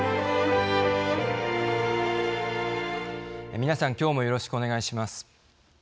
みなさん、きょうもよろしくお願いします。